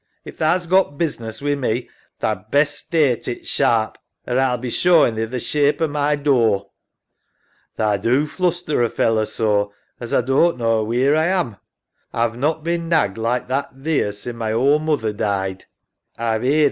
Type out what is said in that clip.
If tha's got business wi' me, tha'd best state it sharp or A'll be showin' thee the shape o' my door. SAM. Tha do fluster a feller so as A doan't knaw wheer A am. A've not been nagged like that theer sin' my ould moother died.